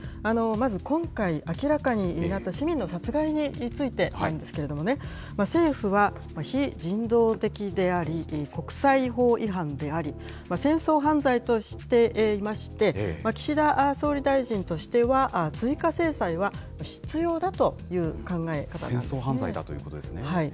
まず今回、明らかになった市民の殺害についてなんですけれどもね、政府は非人道的であり、国際法違反であり、戦争犯罪としていまして、岸田総理大臣としては、追加制裁は必要だという考えなんですね。